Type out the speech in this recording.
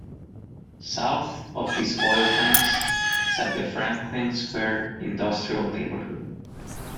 South of these oil tanks sat the Franklin Square industrial neighborhood.